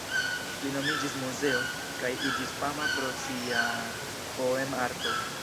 Li nomiĝis Muzeo, kaj iĝis fama pro sia poem-arto.